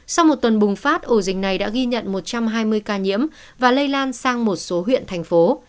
sau một tuần bùng phát ổ dịch này đã ghi nhận một trăm hai mươi ca nhiễm và lây lan sang một số huyện thành phố